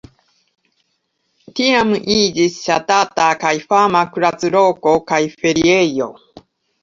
Tiam iĝis ŝatata kaj fama kuracloko kaj feriejo.